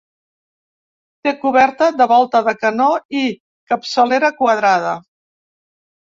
Té coberta de volta de canó i capçalera quadrada.